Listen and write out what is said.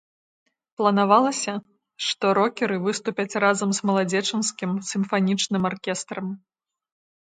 Планавалася, што рокеры выступяць разам з маладзечанскім сімфанічным аркестрам.